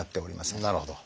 なるほど。